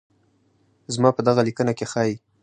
زما په دغه ليکنه کې ښايي